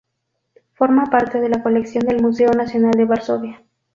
Forma parte de la colección del Museo Nacional de Varsovia.